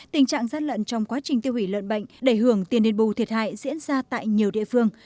tình trạng giát lợn trong quá trình tiêu hủy lợn bệnh đầy hưởng tiền niên bù thiệt hại diễn ra tại nhiều địa phương